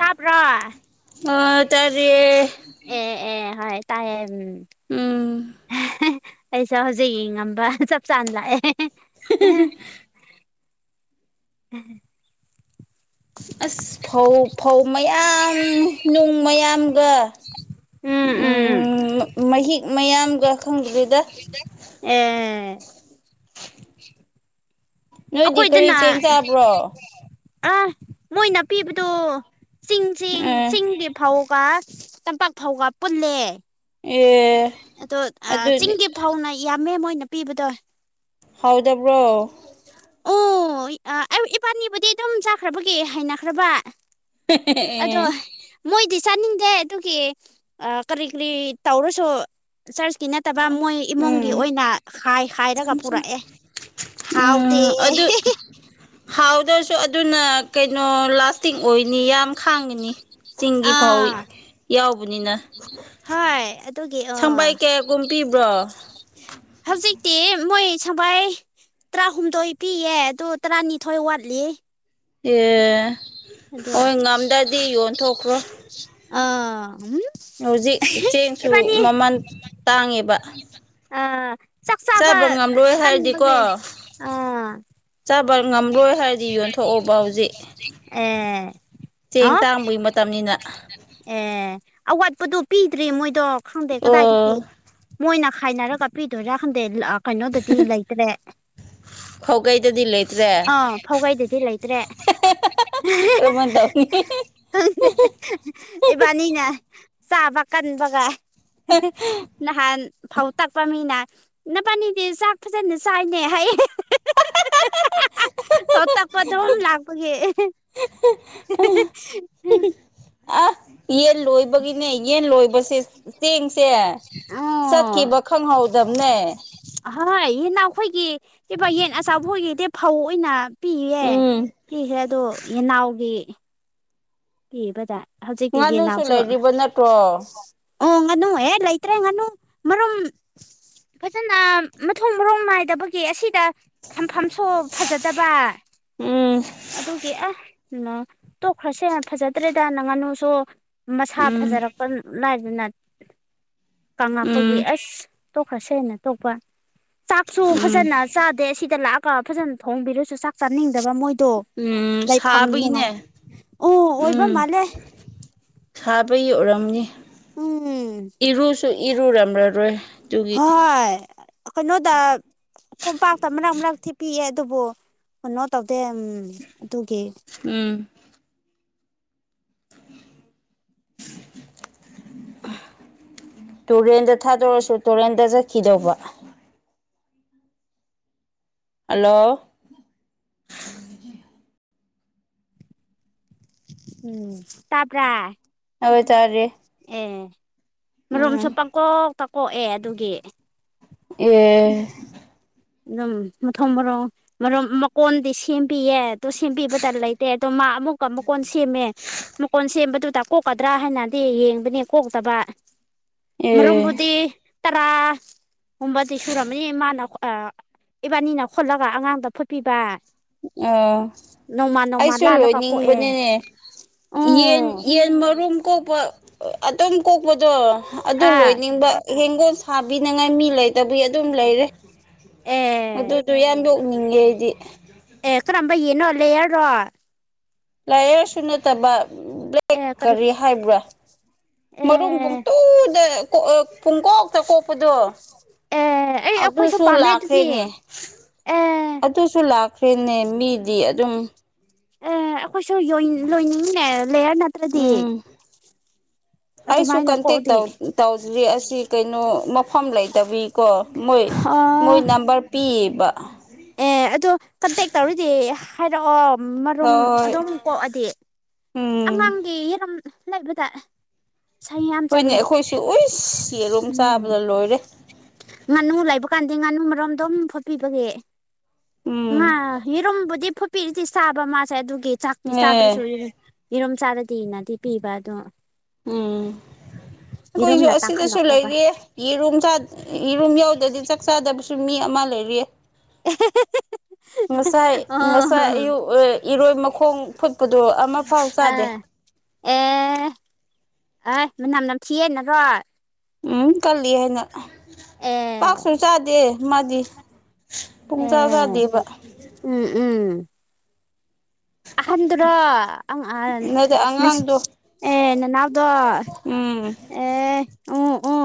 ꯇꯥꯕ꯭ꯔꯣ ꯍꯣ ꯇꯔꯦ ꯑꯦ ꯑꯦ ꯍꯣꯏ ꯇꯥꯏꯌꯦ ꯎꯝ ꯎꯝ ꯑꯩꯁꯨ ꯍꯧꯖꯤꯛ ꯌꯦꯡꯉꯝꯕ ꯆꯞ ꯆꯥꯅ ꯂꯥꯛꯑꯦ [unintelligible] ꯎꯝ ꯑꯁ ꯐꯧ ꯐꯧ ꯃꯌꯥꯝ ꯅꯨꯡ ꯃꯌꯥꯝꯒ ꯎꯝ ꯎꯝ ꯃꯍꯤꯛ ꯃꯌꯥꯝꯒ ꯈꯪꯗꯕꯤꯗ ꯑꯥ ꯅꯣꯏꯗꯤ ꯀꯔꯤ ꯑꯈꯣꯏꯗꯅ ꯆꯦꯡ ꯆꯥꯕ꯭ꯔꯣ ꯑ ꯃꯣꯏꯅ ꯄꯤꯕꯗꯣ ꯆꯤꯡ ꯆꯦꯡ ꯎꯝ ꯆꯤꯡꯒꯤ ꯐꯧꯒ ꯇꯝꯄꯥꯛ ꯐꯧꯒ ꯄꯨꯜꯂꯦ ꯑꯦ ꯑꯗꯣ ꯑꯗꯨꯗꯤ ꯆꯤꯡꯗꯤ ꯐꯥꯎꯅ ꯌꯥꯝꯃꯦ ꯃꯣꯏꯅ ꯄꯤꯕꯗꯣ ꯍꯥꯎꯗꯕ꯭ꯔꯣ ꯑꯣ ꯑꯥ ꯏꯕꯥꯅꯤꯕꯨꯗꯤ ꯑꯗꯨꯝ ꯆꯥꯈ꯭ꯔꯕꯒꯤ ꯍꯩꯅꯈ꯭ꯔꯕ ꯑꯗꯣ ꯃꯣꯏꯗꯤ ꯆꯥꯅꯤꯡꯗꯦ ꯑꯗꯨꯒꯤ ꯀꯔꯤ ꯀꯔꯤ ꯇꯧꯔꯁꯨ ꯆꯔꯆꯀꯤ ꯅ ꯐꯠꯇꯕ ꯃꯣꯏ ꯏꯃꯨꯡꯒꯤ ꯎꯝ ꯑꯣꯏꯅ ꯍꯥꯏ ꯍꯥꯏꯔꯒ ꯄꯨꯔꯛꯑꯦ ꯍꯥꯎ ꯎꯝ ꯑꯗꯨ ꯍꯗ ꯑꯗꯨꯅ ꯀꯩꯅꯣ ꯂꯥꯁꯇꯤꯡ ꯑꯣꯏꯅꯤ ꯌꯥꯝ ꯈꯥꯡꯉꯅꯤ ꯆꯤꯡꯒꯤ ꯐꯥꯎ ꯑꯥ ꯌꯥꯎꯕꯅꯤꯅ ꯍꯥꯏ ꯁꯪꯕꯥꯩ ꯀꯌꯥꯒꯨꯝ [inaudible] ꯄꯤꯕ꯭ꯔꯣ ꯍꯧꯖꯤꯛꯇꯤ ꯃꯣꯏ ꯁꯨꯃꯥꯢ ꯇꯔꯥꯍꯨꯝꯗꯣꯏ ꯄꯤꯌꯦ ꯑꯗꯨ ꯇꯔꯥꯅꯤꯊꯣꯏ ꯋꯥꯠꯂꯤ ꯑꯦ ꯑꯗꯣ ꯍꯣꯏ ꯉꯝꯗ꯭ꯔꯗꯤ ꯌꯣꯟꯊꯣꯛꯈ꯭ꯔꯣ ꯑꯥ ꯎꯝ ꯍꯧꯖꯤꯛ ꯆꯦꯡꯁꯨ ꯏꯕꯥꯅꯤ ꯃꯃꯜ ꯇꯥꯡꯉꯦꯕ ꯑ ꯆꯥꯛ ꯆꯥꯕ ꯉꯝꯂꯣꯏ ꯍꯥꯏꯔꯗꯤꯀꯣ ꯀꯟꯕꯒꯤ ꯑꯥ ꯆꯥꯕ ꯉꯝꯂꯣꯏ ꯍꯥꯏꯔꯗꯤ ꯌꯣꯟꯊꯣꯛꯑꯣꯕ ꯍꯧꯖꯤꯛ ꯑꯝ ꯆꯦꯡ ꯇꯥꯡꯕꯒꯤ ꯃꯇꯝꯅꯤꯅ ꯑꯦ ꯑꯋꯥꯠꯄꯗꯣ ꯄꯤꯗ꯭ꯔꯤ ꯃꯣꯏꯗꯣ ꯈꯪꯗꯦ ꯀꯗꯥꯏꯗꯒꯤ ꯑꯣ ꯃꯣꯏꯅ ꯈꯥꯏꯅꯔꯒ ꯄꯤꯗꯣꯏꯔꯥ ꯈꯪꯗꯦ ꯀꯩꯅꯣꯗꯗꯤ ꯂꯩꯇ꯭ꯔꯦ ꯐꯧꯒꯩꯗꯗꯤ ꯂꯩ ꯑꯥ ꯐꯧꯒꯩꯗꯗꯤ ꯂꯩꯇ꯭ꯔꯦ ꯀꯔꯝꯍꯥꯏꯅ ꯇꯧꯅꯤ ꯈꯪꯗꯦ ꯏꯕꯥꯅꯤꯅ ꯆꯥꯕ ꯀꯟꯕꯒ ꯅꯍꯥꯟ ꯐꯧ ꯇꯛꯄ ꯃꯤꯅ ꯅꯕꯥꯅꯤꯗꯤ ꯆꯥꯛ ꯐꯖꯅ ꯆꯥꯏꯅꯦ ꯍꯥꯏꯌꯦ ꯐꯧ ꯇꯛꯄ ꯑꯗꯨꯝ ꯂꯥꯛꯄꯒꯤ ꯑ ꯌꯦꯟ ꯂꯣꯏꯕꯒꯤꯅꯦ ꯌꯦꯟ ꯂꯣꯏꯕꯁꯦ ꯆꯦꯡꯁꯦ ꯑꯣ ꯆꯠꯈꯤꯕ ꯈꯪꯍꯧꯗꯕꯅꯦ ꯑꯍꯣꯏ ꯍꯦꯟꯅ ꯑꯩꯈꯣꯏꯒꯤ ꯀ ꯌꯦꯟ ꯑꯆꯥꯎꯕ ꯈꯣꯏꯒꯤꯗꯤ ꯐꯧ ꯑꯣꯏꯅ ꯄꯤꯈ꯭ꯔꯦ ꯎꯝ ꯄꯤꯈ꯭ꯔꯦ ꯑꯗꯣ ꯌꯦꯅꯥꯎꯒꯤ ꯄꯤꯕꯗ ꯍꯧꯖꯤꯛꯇꯤ ꯉꯥꯅꯨꯁꯨ ꯌꯦꯟꯅꯥꯎꯁꯨ ꯂꯩꯔꯤꯕ ꯅꯠꯇ꯭ꯔꯣ ꯑꯣ ꯉꯥꯅꯨ ꯍꯦꯛ ꯂꯩꯇ꯭ꯔꯦ ꯉꯥꯅꯨ ꯃꯔꯨꯝ ꯐꯖꯅ ꯃꯊꯣꯡ ꯃꯔꯣꯡ ꯅꯥꯢꯗꯕꯒꯤ ꯑꯁꯤꯗ ꯊꯝꯐꯝꯁꯨ ꯐꯖꯗꯕ꯫ ꯎꯝ ꯑꯗꯨꯒꯤ ꯑꯦ ꯇꯣꯛꯈ꯭ꯔꯁꯦ ꯐꯖꯗ꯭ꯔꯦꯗꯅ ꯉꯥꯅꯨꯁꯨ ꯃꯁꯥ ꯎꯝ ꯐꯖꯔꯛꯄ ꯂꯥꯢꯗꯅ ꯀꯪꯂꯛꯄꯒꯤ ꯎꯝ ꯑꯁ ꯇꯣꯛꯈ꯭ꯔꯁꯦꯅ ꯇꯣꯛꯄ ꯆꯥꯛꯁꯨ ꯎꯝ ꯐꯖꯅ ꯆꯥꯗꯦ ꯁꯤꯗ ꯂꯥꯛꯑꯒ ꯐꯖꯅ ꯊꯣꯡꯕꯤꯔꯁꯨ ꯆꯥꯛ ꯆꯥꯅꯤꯡꯗꯕ ꯃꯣꯏ ꯇꯣ ꯎꯝ ꯂꯩꯐꯝ ꯅꯨꯡꯉꯥꯏ ꯁꯥꯕꯒꯤꯅꯦ ꯑꯣ ꯑꯣꯏꯕ ꯎꯝ ꯃꯥꯜꯂꯦ ꯁꯥꯕꯒꯤ ꯑꯣꯏꯔꯝꯅꯤ ꯎꯝ ꯏꯔꯨꯁꯨ ꯏꯔꯨꯔꯝꯂꯔꯣꯏ ꯑꯗꯨꯒꯤ ꯍꯣꯏ ꯀꯩꯅꯣꯗ ꯀꯣꯝꯄꯥꯛꯇ ꯃꯔꯛ ꯃꯔꯛꯇꯤ ꯄꯤꯑꯦ ꯑꯗꯨꯕꯨ ꯀꯩꯅꯣ ꯇꯧꯗꯦ ꯑꯗꯨꯒꯤ ꯎꯝ [unintelligible] ꯇꯨꯔꯦꯟꯗ ꯊꯥꯗꯣꯔꯁꯨ ꯇꯨꯔꯦꯟꯗ ꯆꯠꯈꯤꯗꯧꯕ꯫ ꯍꯥꯜꯂꯣ ꯎꯝ ꯇꯥꯄ꯭ꯔꯥ ꯍꯣꯢ ꯇꯥꯔꯦ ꯑꯦ ꯃꯔꯨꯝꯁꯨ ꯎꯝ ꯄꯥꯛꯀꯣꯛꯇꯥ ꯀꯣꯛꯑꯦ ꯑꯗꯨꯒꯤ ꯑꯦ ꯑꯗꯨꯝ ꯃꯊꯣꯡ ꯃꯔꯣꯡ ꯃꯔꯝ ꯃꯀꯣꯟꯗꯤ ꯁꯦꯝꯄꯤꯌꯦ ꯇꯣ ꯁꯦꯝꯕꯤꯕꯇ ꯂꯩꯇꯦ ꯑꯗꯣ ꯃꯥ ꯑꯃꯨꯛꯀ ꯃꯀꯣꯟ ꯁꯦꯝꯃꯦ꯫ ꯃꯀꯣꯟ ꯁꯦꯝꯕꯗꯨꯗ ꯀꯣꯛꯀꯗ꯭ꯔꯥ ꯍꯥꯢꯅꯗꯤ ꯌꯦꯡꯕꯅꯦ ꯀꯣꯛꯇꯕ꯫ ꯑꯦ ꯃꯔꯨꯝꯕꯨꯗꯤ ꯇꯔꯥ ꯒꯨꯝꯕꯗꯤ ꯁꯨꯔꯝꯃꯅꯤ ꯃꯥꯅ ꯑ ꯏꯕꯥꯅꯤꯅ ꯈꯣꯠꯂꯒ ꯑꯉꯥꯡꯗ ꯐꯨꯠꯄꯤꯕ ꯑꯥ ꯅꯣꯡꯃ ꯅꯣꯡꯃ ꯑꯩꯁꯨ ꯂꯥꯜꯂꯒ ꯀꯣꯛꯑꯦ ꯂꯣꯏꯅꯤꯡꯕꯅꯤꯅꯦ ꯌꯦꯟ ꯑꯣ ꯌꯦꯟ ꯃꯔꯨꯝ ꯀꯣꯛꯄ ꯑꯗꯨꯝ ꯀꯣꯛꯄꯗꯣ ꯑꯗꯨ ꯑꯥ ꯂꯣꯏꯅꯤꯡꯕ ꯌꯦꯟꯒꯣꯜ ꯁꯥꯕꯤꯅꯉꯥꯏ ꯃꯤ ꯂꯩꯇꯕꯒꯤ ꯑꯗꯨꯝ ꯂꯩꯔꯦ ꯑꯦ ꯑꯗꯨꯗꯨ ꯌꯥꯝ ꯌꯣꯛꯅꯤꯡꯉꯦ ꯑꯩꯗꯤ ꯑꯦ ꯀꯔꯝꯕ ꯌꯦꯅꯣ ꯂꯦꯌꯥꯔꯔꯣ ꯂꯥꯏꯌꯔꯁꯨ ꯅꯠꯇꯕ ꯕ꯭ꯂꯦꯛ ꯀꯔꯤ ꯍꯥꯏꯕ꯭ꯔꯥ ꯃꯔꯨꯝ ꯑꯦ ꯄꯨꯡꯇꯨꯗ ꯄꯨꯡꯀꯣꯛꯇ ꯀꯣꯛꯄꯗꯣ ꯑꯦ ꯑꯩ ꯑꯩꯈꯣꯏꯁꯨ ꯑꯗꯨꯁꯨ ꯄꯥꯝꯃꯦ ꯑꯗꯨꯗꯤ ꯂꯥꯈꯔ꯭ꯅꯦ ꯑꯦ ꯇꯨꯁꯨ ꯂꯥꯛꯈ꯭ꯔꯦꯅꯦ ꯃꯤꯗꯤ ꯑꯗꯨꯝ ꯑꯦ ꯑꯩꯈꯣꯏꯁꯨ ꯌꯣꯏꯟ ꯂꯣꯏꯅꯤꯡꯉꯤꯅꯦ ꯂꯦꯌꯔ ꯅꯠꯇ꯭ꯔꯗꯤ ꯑꯁꯨ ꯑꯗꯨꯃꯥꯏꯅ ꯀꯟꯇꯦꯛ ꯀꯣꯛꯑꯗꯤ [unintelligible] ꯇꯧꯗ꯭ꯔꯤ ꯑꯁꯤ ꯀꯩꯅꯣ ꯃꯐꯝ ꯂꯩꯇꯕꯤꯀꯣ ꯃꯣꯏ ꯃꯣꯏ ꯑꯥ ꯅꯝꯕꯔ ꯄꯤꯛꯏꯕ ꯑꯦ ꯑꯗꯣ ꯀꯟꯇꯦꯛ ꯇꯧꯔꯗꯤ ꯍꯥꯢꯔꯑꯣ ꯃꯔꯨꯝ ꯍꯣꯏ ꯑꯗꯨꯝ ꯀꯣꯛꯑꯗꯤ ꯎꯝ ꯑꯉꯥꯡꯒꯤ [unintelligible] [unintelligible] ꯌꯥꯝ ꯍꯣꯏꯅꯦ ꯆꯜꯂꯦ ꯑꯩꯈꯣꯏꯁꯨ ꯎꯏꯁ ꯌꯦꯔꯨꯝ ꯎꯝ ꯆꯥꯕꯗ ꯂꯣꯏꯔꯦ ꯉꯥꯅꯨ ꯂꯩꯕ ꯀꯥꯟꯗꯤ ꯉꯥꯅꯨ ꯃꯔꯣꯝ ꯑꯗꯨꯣꯝ ꯐꯣꯠꯄꯤꯕꯒꯤ ꯉꯥ ꯎꯝ ꯌꯦꯔꯨꯝꯕꯨꯗꯤ ꯐꯨꯄꯤꯔꯤꯗꯤ ꯆꯥꯕ ꯃꯥꯁꯦ ꯑꯗꯨꯒꯤ ꯆꯥꯛꯇꯤ ꯆꯥꯗ꯭ꯔꯁꯨ ꯑꯦ ꯌꯦꯔꯨꯝ ꯆꯥꯔꯗꯤ ꯅꯗꯤ ꯄꯤꯕ ꯑꯗꯣ ꯎꯝ ꯑꯩꯈꯣꯏꯁꯨ ꯌꯦꯔꯨꯝꯅ ꯑꯁꯤꯗꯁꯨ ꯇꯥꯡꯈꯠꯂꯛꯄꯒ ꯂꯩꯔꯤ ꯌꯦꯔꯨꯝ ꯆ ꯏꯔꯨꯝ ꯌꯧꯗꯗꯤ ꯆꯥꯛ ꯆꯥꯗꯕꯁꯨ ꯃꯤ ꯑꯃ ꯂꯩꯔꯤꯌꯦ [unintelligible] ꯉꯁꯥꯏ ꯑꯣ ꯉꯁꯥꯏ ꯑꯌꯨꯛ ꯏꯔꯣꯏ ꯃꯈꯣꯡ ꯐꯨꯠꯄꯗꯣ ꯑꯃꯐꯥꯎ ꯆꯥꯗꯦ ꯑꯥ ꯑꯦ ꯍ ꯃꯅꯝ ꯅꯝ ꯊꯤꯌꯦ [unintelligible] ꯎꯝ ꯀꯜꯂꯤ ꯍꯥꯏꯅ ꯑꯦ ꯆꯥꯛꯁꯨ ꯆꯥꯗꯦ ꯃꯥꯗꯤ ꯄꯨꯡ ꯆꯥ ꯆꯥꯗꯦꯕ ꯎꯝ ꯎꯝ ꯑꯍꯟꯗꯨꯔꯣ [unintelligible] ꯅꯗ ꯑꯉꯥꯡꯗꯣ [unintelligible] ꯑꯦ ꯅꯅꯥꯎꯗꯣ ꯎꯝ ꯑꯦ ꯑꯣ ꯑꯣ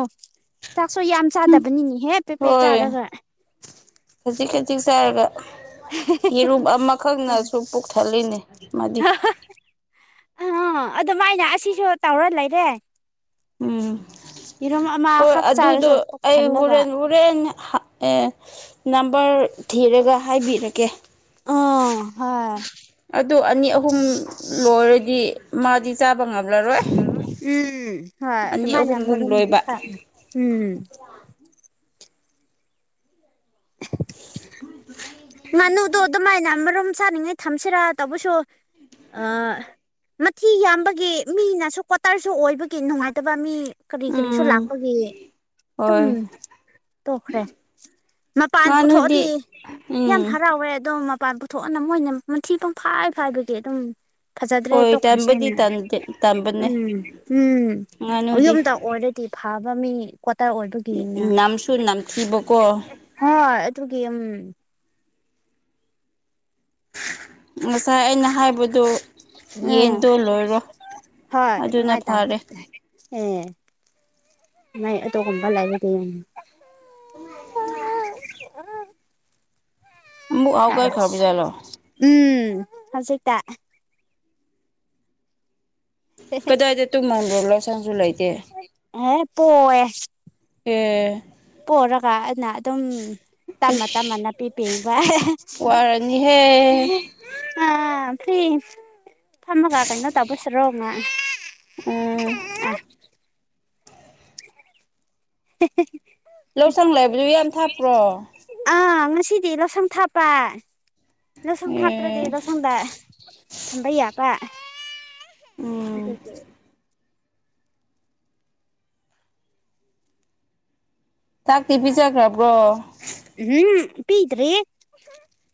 ꯆꯥꯛꯁꯨ ꯌꯥꯝ ꯆꯥꯗꯕꯅꯤꯅꯦ [unintelligible] ꯍꯣꯏ ꯆꯥꯔꯒ ꯈꯖꯤꯛ ꯈꯖꯤꯛ ꯆꯥꯔꯒ ꯌꯦꯔꯨꯝ ꯑꯃꯈꯛꯅꯁꯨ ꯄꯨꯛꯊꯜꯂꯤꯅꯦ ꯃꯗꯤ ꯑ ꯑꯗꯨꯃꯥꯢꯅ ꯑꯁꯤꯁꯨ ꯇꯧꯔ ꯂꯩꯔꯦ ꯎꯝ ꯌꯦꯔꯨꯝ ꯍꯣꯏ ꯑꯃꯈꯛ ꯑꯗꯨꯗꯣ ꯆꯥꯔꯁꯨ ꯄꯨꯛ ꯑꯩ ꯊꯜꯂꯒ ꯍꯣꯔꯦꯟ ꯍꯣꯔꯦꯟ [unintelligible] ꯅꯝꯕꯔ ꯊꯤꯔꯒ ꯍꯥꯏꯕꯤꯔꯀꯦ ꯑꯣ ꯍꯣꯏ ꯑꯗꯨ ꯑꯅꯤ ꯑꯍꯨꯝ ꯂꯣꯢꯔꯗꯤ ꯃꯥꯗꯤ ꯆꯥꯕ ꯉꯝꯂꯔꯣꯢ ꯎꯝ ꯍꯣꯏ ꯑꯗꯨꯃꯥꯏꯅ ꯑꯍꯨꯝꯒꯨꯝ ꯃꯔꯝꯗꯤ ꯂꯣꯏꯕ ꯎꯝ [inaudible] ꯉꯥꯅꯨꯗꯣ ꯑꯗꯨꯃꯥꯢꯅ ꯑꯔꯨꯝ ꯆꯥꯅꯤꯡꯉꯥꯢ ꯊꯝꯁꯤꯔ ꯇꯧꯕꯁꯨ ꯑ ꯃꯊꯤ ꯌꯥꯝꯕꯒꯤ ꯃꯤꯅꯁꯨ ꯀ꯭ꯋꯥꯇꯔꯁꯨ ꯑꯣꯏꯕꯒꯤ ꯅꯨꯡꯉꯥꯏꯇꯕ ꯃꯤ ꯀꯔꯤ ꯀꯔꯤꯁꯨ ꯎꯝ ꯂꯥꯛꯄ ꯑꯈꯣꯏꯒꯤ ꯑꯗꯨꯝ ꯍꯣꯏ ꯇꯣꯛꯈ꯭ꯔꯦ ꯃꯄꯥꯟ ꯉꯥꯅꯨꯗꯤ ꯄꯨꯊꯣꯛꯑꯗꯤ ꯌꯥꯝ ꯎꯝ ꯍꯔꯥꯎꯋꯦ ꯑꯗꯨꯝ ꯃꯄꯥꯟ ꯄꯨꯊꯣꯛꯑꯅ ꯃꯣꯏꯅ ꯃꯊꯤ ꯄꯪꯐꯥꯏ ꯐꯥꯏꯕꯒꯤ ꯑꯗꯨꯝ ꯐꯖꯗ꯭ꯔꯦ ꯍꯣꯏ ꯇꯣꯛꯈ꯭ꯔꯁꯦꯅ ꯇꯟꯕꯨꯗꯤ ꯇꯟꯕꯅꯦ ꯎꯝ ꯎꯝ ꯑꯣ ꯉꯥꯅꯨꯗꯤ ꯌꯨꯝꯇ ꯑꯣꯢꯔ ꯐꯕ ꯃꯤ [unintelligible] ꯅꯝꯁꯨ ꯅꯥꯝꯊꯔꯤꯕꯀꯣ ꯍꯣꯏ ꯑꯗꯨꯒꯤ ꯎꯝ ꯉꯁꯥꯏ ꯑꯩꯅ ꯍꯥꯏꯕꯗꯨ ꯎꯝ ꯌꯦꯟꯗꯣ ꯂꯣꯏꯔꯣ ꯍꯣꯏ ꯑꯗꯨꯅ ꯑꯗꯨꯃꯥꯏꯅ ꯇꯥꯒꯦ ꯐꯔꯦ ꯑꯦ ꯃꯥꯏ [unintelligible] [unintelligible] [unintelligible] ꯎꯝ ꯍꯁꯤꯛꯇ ꯀꯗꯥꯏꯗ ꯇꯨꯝꯍꯟꯕ꯭ꯔꯣ ꯂꯧꯁꯪꯁꯨ ꯂꯩꯇꯦ ꯑꯦ ꯄꯣꯋꯦ ꯑꯦ ꯄꯔꯒꯥ ꯑꯗꯨꯝ ꯇꯝꯃ ꯇꯝꯃ ꯑꯁ ꯅꯥꯄꯤ ꯄꯦꯡꯕ ꯋꯥꯔꯅꯤꯍꯦ ꯑꯥ ꯐꯤ ꯊꯝꯃꯒ ꯀꯩꯅꯣ ꯇꯧꯕꯁꯤꯔꯣ ꯉ ꯎꯝ ꯍꯤ ꯍꯤ ꯂꯧꯁꯪ ꯂꯥꯏꯕꯗꯨ ꯌꯥꯝ ꯊꯥꯞꯄ꯭ꯔꯣ ꯑꯥ ꯉꯁꯤꯗꯤ ꯂꯧꯁꯪ ꯊꯥꯞꯄ ꯂꯧꯁꯪ ꯊꯥꯇ꯭ꯔꯗꯤ ꯑꯦ ꯂꯧꯎꯁꯪꯗ ꯊꯝꯕꯩ ꯌꯥꯕ ꯎꯝ ꯑꯗꯨꯒꯤ ꯇꯥꯛ ꯇ ꯄꯖꯈ꯭ꯔꯦ ꯎꯝ ꯄꯤꯗ꯭ꯔꯤ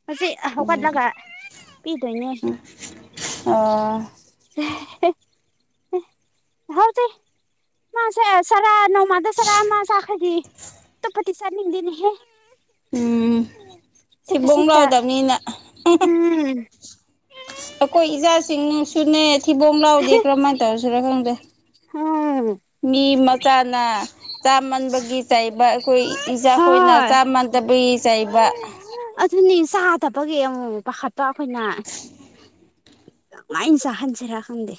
ꯑꯁꯤ ꯎꯝ ꯍꯧꯒꯠꯂꯒ ꯄꯤ ꯇꯣꯏꯅꯦ ꯑ ꯍꯧꯖꯤ ꯃꯥꯁꯦ ꯆꯔꯥ ꯅꯣꯡꯃꯗ ꯆꯔꯥ ꯑꯃ ꯆꯥꯈ꯭ꯔꯗꯤ ꯑꯇꯣꯞꯄꯗꯤ ꯆ ꯅꯤꯡꯗꯦꯅꯦꯍꯦ ꯎꯝ ꯊꯤꯕꯣꯡ ꯈꯖꯤꯛꯇ ꯂꯥꯎꯗꯕꯅꯤꯅ ꯎꯝ ꯑꯩꯈꯣꯏ ꯏꯆꯥꯁꯤꯡ ꯅꯨꯡꯁꯨꯅꯦ ꯊꯤꯕꯣꯡ ꯂꯥꯎꯗꯦ ꯀꯔꯝꯍꯥꯏꯅ ꯇꯧꯔꯁꯤꯔ ꯈꯪꯗꯦ ꯑꯣꯝ ꯃꯤ ꯃꯆꯥꯅ ꯆꯥꯃꯟꯕꯒꯤ ꯆꯩꯕ ꯑꯩꯈꯣꯢ ꯏꯆꯥꯈꯣꯢꯅ ꯍꯣꯏ ꯆꯥꯃꯅꯗꯕꯒꯤ ꯆꯩꯕ ꯑꯗꯨꯅꯤ ꯆꯥꯗꯄꯒꯤ ꯑꯃꯨꯛ ꯄꯥꯈꯠꯄ ꯑꯩꯈꯣꯏꯅ ꯆ ꯈꯥꯟꯁꯦꯔ ꯈꯪꯗꯦ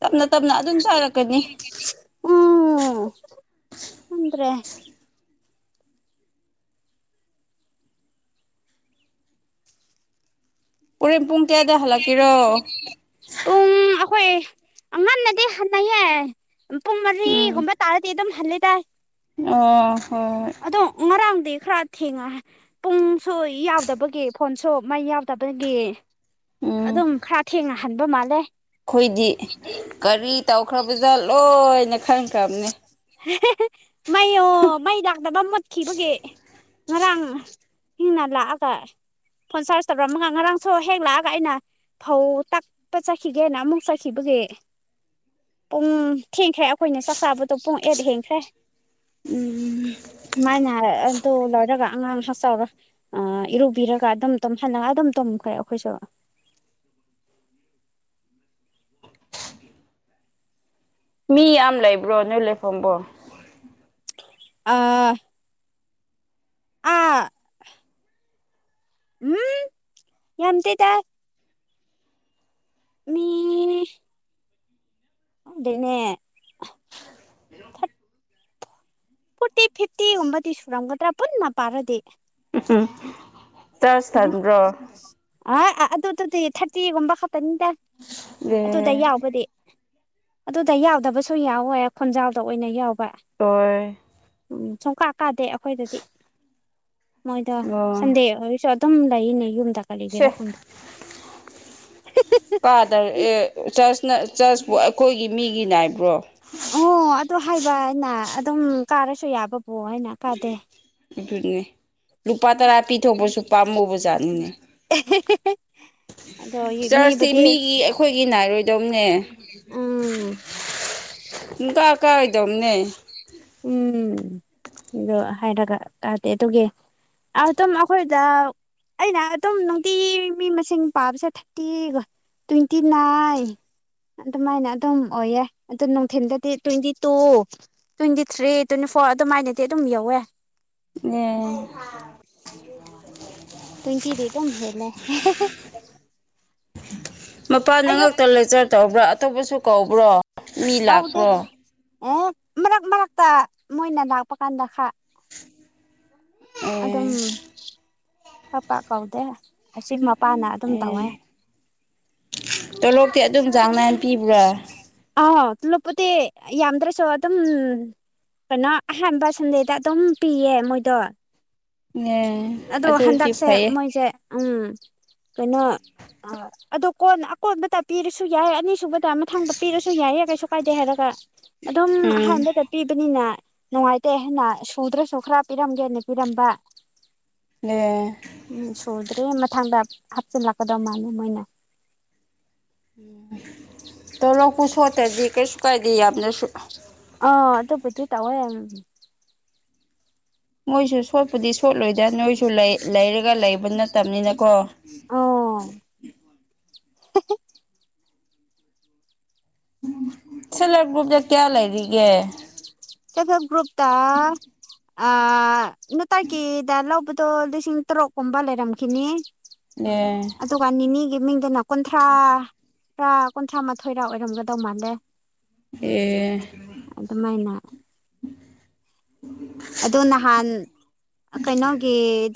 ꯇꯝꯅ ꯇꯝꯅ ꯎꯝ ꯅꯗ꯭ꯔꯦ ꯍꯣꯔꯦꯟ ꯄꯨꯡ ꯀꯌꯥꯗ ꯍꯜꯂꯛꯀꯦꯔꯣ ꯄꯨꯡ ꯑꯈꯣꯏ ꯑꯥ ꯉꯟꯅꯗꯤ ꯍꯟꯅꯌꯦ ꯄꯨꯡ ꯃꯔꯤꯒꯨꯝꯕ ꯇꯥꯔꯗꯤ ꯑꯗꯨꯝ ꯍꯜꯂꯗꯥꯏ ꯑ ꯍꯣꯏ ꯗꯨ ꯉꯔꯥꯡꯗꯤ ꯈꯔ ꯊꯦꯡꯉꯍ ꯄꯨꯡꯁꯨ ꯌꯥꯎꯗꯕꯒꯤ ꯐꯣꯟꯁꯨ ꯃꯩ ꯌꯥꯎꯗꯕꯒꯤ ꯎꯝ ꯑꯗꯨꯝ ꯈ꯭ꯔ ꯊꯦꯡꯅ ꯍꯟꯕ ꯃꯥꯜꯂꯦ ꯑꯩꯈꯣꯏꯗꯤ ꯀꯔꯤ ꯇꯧꯈ꯭ꯔꯕꯖꯥ ꯂꯣꯏꯅ ꯈꯟꯈ꯭ꯔꯕꯅꯤ ꯃꯩ ꯌꯣ ꯃꯩ ꯂꯥꯛꯇꯕ ꯃꯨꯠꯈꯤꯕꯒꯤ ꯉꯔꯥꯡ ꯍꯦꯟꯅ ꯂꯥꯛꯑꯒ ꯐꯣꯟ ꯆꯥꯔꯖ ꯇꯧꯔꯝꯃꯒ ꯉꯔꯥꯡꯁꯨ ꯍꯦꯛ ꯂꯥꯛꯑꯒ ꯀꯥꯏꯅ ꯐꯧ ꯇꯛꯄ ꯆꯠꯈꯤꯒꯦꯅ ꯑꯃꯨꯛ ꯆꯠꯈꯤꯕꯒꯤ ꯄꯨꯡ ꯊꯦꯡꯈ꯭ꯔꯦ ꯑꯈꯣꯢꯅ ꯆꯥꯛ ꯆꯥꯕꯗꯣ ꯄꯨꯡ ꯑꯦꯠ ꯍꯦꯟꯈ꯭ꯔꯦ ꯎꯝ ꯃꯥꯥꯢꯅ ꯑꯗꯣ ꯂꯣꯢꯔꯒ ꯑꯉꯥꯡ ꯈ ꯆꯥꯎꯔꯣ ꯑ ꯏꯔꯨꯕꯤꯔꯒ ꯑꯗꯨꯝ ꯍꯜꯂꯒ ꯑꯗꯨꯝ ꯇꯨꯝꯈ꯭ꯔꯦ ꯑꯩꯈꯣꯏꯁꯨ ꯃꯤ ꯌꯥꯝ ꯂꯩꯕ꯭ꯔꯣ ꯅꯣꯢ ꯂꯩꯐꯝꯕꯣ ꯑ ꯑꯥ ꯎꯝ ꯌꯥꯝꯇꯦꯇ ꯃꯤ ꯈꯪꯗꯦꯅꯦ [inaudible] ꯐꯣꯔꯇꯤ ꯐꯤꯐꯇꯤꯒꯨꯝꯕꯗꯤ ꯁꯨꯔꯝꯒꯗ꯭ꯔ ꯄꯨꯟꯅ ꯄꯥꯔꯗꯤ [unintelligible] ꯆꯥꯁꯊꯥꯟꯕꯣ ꯑ ꯑ ꯑꯗꯨꯗꯨꯗꯤ ꯊꯥꯔꯇꯤꯒꯨꯝꯕ ꯈꯛꯇꯅꯤꯗ ꯑꯗꯨꯗ ꯌꯥꯎꯕꯗꯤ ꯑꯗꯨꯗ ꯌꯥꯎꯗꯕꯁꯨ ꯌꯥꯎꯋꯦ ꯈꯣꯟꯖꯥꯎꯗ ꯑꯣꯏꯅ ꯌꯥꯎꯕ ꯇꯣꯏ ꯎꯝ ꯁꯨꯡ ꯀꯥ ꯀꯥꯗꯦ ꯑꯩꯈꯣꯏꯗꯗꯤ ꯃꯣꯏꯗ ꯁꯟꯗꯦ ꯑꯣꯏꯁꯨ ꯑꯗꯨꯝ ꯂꯩꯅꯦ ꯌꯨꯝꯗ ꯀꯠꯂꯤꯒꯦꯔꯥ ꯁꯦ ꯈꯪꯗꯦ ꯀꯥꯗꯔ ꯑꯦ ꯆꯁꯅ ꯆꯁꯄ ꯈꯣꯢꯒꯤ ꯃꯤꯒꯤ ꯅꯥꯢꯕ꯭ꯔꯣ ꯑꯣ ꯑꯗꯨ ꯍꯥꯏꯕ ꯑꯅ ꯑꯗꯨꯝ ꯀꯥꯔꯁꯨ ꯌꯥꯕꯕꯨꯣ ꯍꯥꯏꯅ ꯀꯥꯗꯦ ꯑꯗꯨꯅꯦ ꯂꯨꯄꯥ ꯇꯔꯥ ꯄꯤꯊꯣꯛꯄꯁꯨ ꯄꯥꯝꯃꯨꯕꯖꯥꯠꯅꯤꯅꯦ [unintelligible] ꯑꯗꯣ ꯆꯔꯆꯇꯤ ꯃꯤꯕꯨꯗꯤ ꯃꯤꯒꯤ ꯑꯩꯈꯣꯏꯒꯤ ꯅꯥꯏꯔꯣꯏꯗꯝꯅꯦ ꯎꯝ ꯄꯨꯡ ꯀ ꯀꯥꯒ ꯗꯣꯝꯅꯦ ꯎꯝ ꯑꯗꯣ ꯍꯥꯏꯔꯒ ꯇꯥꯗꯦ ꯑꯗꯨꯒꯤ ꯑꯗꯨꯝ ꯑꯈꯣꯏꯗ ꯑꯩꯅ ꯑꯗꯨꯝ ꯅꯨꯡꯇꯤ ꯃꯤ ꯃꯁꯤꯡ ꯄꯥꯕꯁꯦ ꯊꯥꯔꯇꯤꯒꯣ ꯇ꯭ꯋꯦꯟꯇꯤ ꯅꯥꯢ ꯑꯗꯨꯃꯥꯏꯅ ꯑꯗꯨꯝ ꯑꯣꯏꯌꯦ ꯑꯗꯨ ꯅꯨꯡꯊꯤꯟꯗꯗꯤ twenty two twenty three twenty four ꯑꯗꯨꯃꯥꯏꯅꯗꯤ ꯑꯗꯨꯝ ꯌꯧꯋꯦ ꯅꯦ ꯇ꯭ꯋꯦꯟꯇꯤꯗꯤ ꯗꯨꯝ ꯍꯦꯜꯂꯦ ꯃꯄꯥꯟ ꯅ ꯑꯌꯨꯛ ꯉꯛꯇ ꯂꯩꯆꯔ ꯇꯧꯕ꯭ꯔ ꯑꯇꯣꯞꯄꯁꯨ ꯀꯧꯕ꯭ꯔꯣ ꯃꯤ ꯂꯥꯛꯄ꯭ꯔꯣ ꯇꯥꯎꯗꯦꯗ ꯑꯦ ꯃꯔꯛ ꯃꯔꯛꯇ ꯃꯣꯢꯅ ꯂꯥꯛꯄ ꯀꯥꯟꯗ ꯈ꯭ꯔ ꯑꯗꯨꯝ ꯑꯦ ꯄꯥꯛ ꯄꯥꯛ ꯀꯧꯗꯦ ꯑꯁꯤ ꯃꯄꯥꯅ ꯑꯗꯨꯝ ꯇꯧꯋꯦ ꯑꯦ ꯇꯣꯂꯣꯞꯇꯤ ꯑꯗꯨꯝ ꯆꯥꯡ ꯅꯥꯏꯅ ꯄꯤꯕ꯭ꯔꯥ ꯑ ꯇꯨꯂꯨꯞꯄꯠꯇꯤ ꯌꯥꯗ꯭ꯔꯁꯨ ꯑꯗꯨꯝ ꯀꯩꯅ ꯑꯍꯥꯟꯕ ꯁꯟꯗꯦꯗ ꯑꯗꯨꯝ ꯄꯤꯌꯦ ꯃꯣꯏꯗꯣ ꯑꯦ ꯑꯗꯣ ꯑꯗꯨꯗꯤ ꯍꯟꯗꯛꯁꯦ ꯐꯩꯌꯦ ꯃꯣꯏꯁꯦ ꯎꯝ ꯀꯩꯅꯣ ꯑ ꯑꯗꯣ ꯀꯣꯟꯅ ꯑꯀꯣꯟꯕꯇ ꯄꯤꯔꯁꯨ ꯌꯥꯢ ꯑꯅꯤꯁꯨꯕꯗ ꯃꯊꯪꯗ ꯄꯤꯔꯁꯨ ꯌꯥꯏꯌꯦ ꯀꯩꯁꯨ ꯀꯥꯏꯗꯦ ꯍꯥꯏꯔꯒ ꯑꯗꯨꯝ ꯎꯝ ꯑꯍꯥꯟꯕ ꯄꯤꯕꯅꯤꯅ ꯅꯨꯡꯉꯥꯢꯇꯦꯅ ꯍꯥꯏꯅ ꯁꯨꯗ꯭ꯔꯁꯨ ꯈꯔꯥ ꯄꯤꯔꯝꯒꯦꯅ ꯄꯤꯔꯝꯕ ꯑꯦ ꯎꯝ ꯁꯨꯗ꯭ꯔꯦ ꯃꯊꯪꯗ ꯍꯥꯞꯆꯤꯜꯂꯛꯀꯗꯧ ꯃꯥꯜꯂ ꯃꯣꯏꯅ ꯇꯣꯂꯣꯛꯄꯨ ꯁꯣꯠꯇ꯭ꯔꯗꯤ ꯀꯩꯁꯨ ꯀꯥꯢꯗꯦ ꯌꯥꯝꯅꯁꯨ ꯑ ꯑꯗꯨꯕꯨꯗꯤ ꯇꯋꯥꯌꯦ ꯃꯣꯢꯁꯨ ꯁꯣꯠꯄꯨꯗꯤ ꯁꯣꯠꯂꯣꯢꯗ ꯅꯣꯢꯁꯨ ꯂꯩ ꯂꯩꯔꯒ ꯂꯩꯕ ꯅꯠꯇꯕꯅꯤꯅꯀꯣ ꯑꯣ ꯁꯦꯜꯐ ꯒ꯭ꯔꯨꯞꯗ ꯀꯌꯥ ꯂꯩꯔꯤꯒꯦ ꯁꯦꯜꯐ ꯒ꯭ꯔꯨꯞꯇꯥ ꯅꯨꯡꯇꯀꯤꯗ ꯂꯧꯕꯗꯣ ꯂꯤꯁꯤꯡ ꯇꯔꯨꯛꯀꯨꯝꯕ ꯂꯩꯔꯝꯈꯤꯅꯤ ꯅꯦ ꯑꯗꯨꯒ ꯅꯤꯅꯤꯒꯤ ꯃꯤꯡꯗꯅ ꯀꯨꯟꯊ꯭ꯔꯥ ꯀꯨꯟꯊ꯭ꯔꯥ ꯃꯥꯊꯣꯏꯔꯥ ꯑꯣꯏꯔꯝꯒꯗꯧ ꯃꯥꯜꯂꯦ ꯑꯦ ꯑꯗꯨꯃꯥꯢꯅ ꯑꯗꯨ ꯅꯍꯥꯟ ꯀꯩꯅꯣꯒꯤ